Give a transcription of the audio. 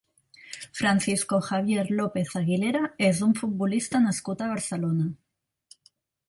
Francisco Javier López Aguilera és un futbolista nascut a Barcelona.